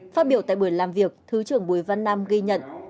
phát biểu tại buổi làm việc thứ trưởng bùi văn nam ghi nhận